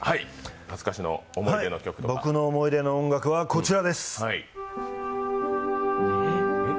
僕の思い出の音楽はこちらです。